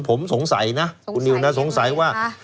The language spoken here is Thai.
ผมสงสัยนะคุณนิวนะสงสัยว่า